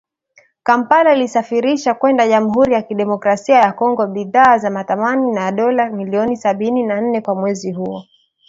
Kampala ilisafirisha kwenda Jamhuri ya Kidemokrasia ya Kongo bidhaa za thamani ya dola milioni sabini na nne kwa mwezi huo